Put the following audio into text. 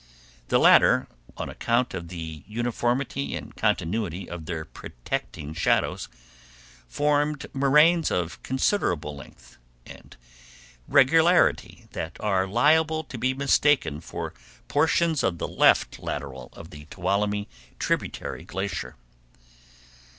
The latter, on account of the uniformity and continuity of their protecting shadows, formed moraines of considerable length and regularity that are liable to be mistaken for portions of the left lateral of the Tuolumne tributary glacier.